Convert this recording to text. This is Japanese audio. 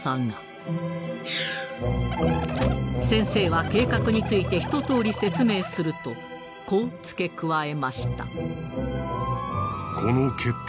先生は計画について一とおり説明するとこう付け加えました。